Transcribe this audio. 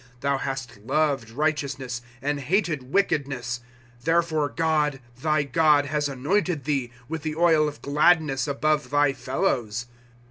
'' Thou hast loved righteousness, and hated wickedness ; Therefore, God, thy God, has anointed thee. With the oil of gladness above thy fellows.